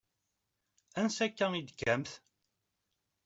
Ansa akka i d-tekkamt?